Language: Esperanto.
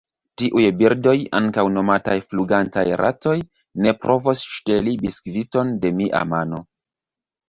Tiuj birdoj, ankaŭ nomataj flugantaj ratoj, ne provos ŝteli biskviton de mia mano.